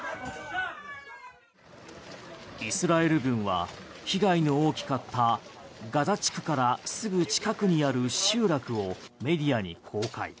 イスラエル軍は被害の大きかったガザ地区からすぐ近くにある集落をメディアに公開。